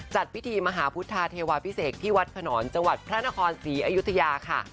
จัดพิธีมหาพุทธาเทวาพิเศษที่วัดขนอนจังหวัดพระนครศรีอยุธยาค่ะ